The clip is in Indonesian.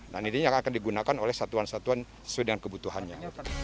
nah ini yang akan digunakan oleh satuan satuan sesuai dengan kebutuhannya